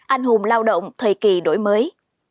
anh hùng lao động thời kỳ đổi mới